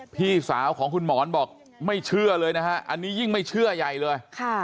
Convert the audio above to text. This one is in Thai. พี่สาวของคุณหมอนบอกไม่เชื่อเลยนะฮะอันนี้ยิ่งไม่เชื่อใหญ่เลย